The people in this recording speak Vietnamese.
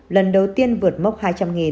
lần đầu tiên vượt mốc hai trăm sáu mươi ca mắc mới